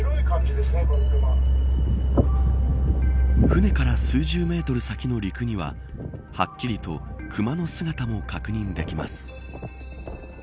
船から数十メートル先の陸にははっきりと熊の姿も確認できます。